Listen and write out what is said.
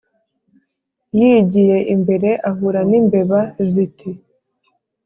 Yigiye imbere ahura n' imbeba ziti